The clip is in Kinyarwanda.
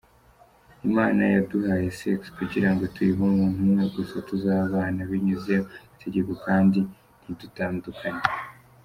Imana yaduhaye sex kugirango tuyihe umuntu umwe gusa tuzabana binyuze mu mategeko kandi ntidutandukane.